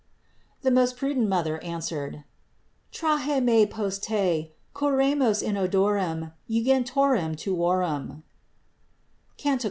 The most prudent Mother answered : "Trahe me post Te, curremus in odorem unguentorum tuorum" (Cant.